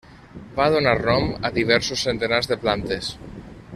Va donar nom a diversos centenars de plantes.